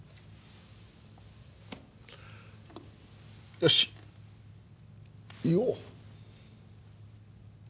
よし言おう。